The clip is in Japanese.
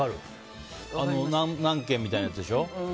何件みたいなやつでしょ。